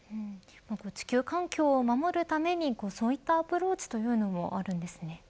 地球環境を守るためにそういったアプローチというのもあるんですね。